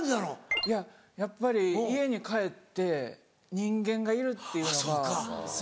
いややっぱり家に帰って人間がいるっていうのがすごい。